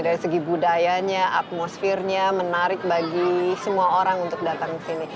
dari segi budayanya atmosfernya menarik bagi semua orang untuk datang ke sini